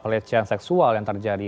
pelecehan seksual yang terjadi